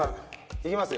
いきます